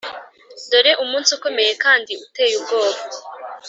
Dore umunsi ukomeye kandi uteye ubwoba!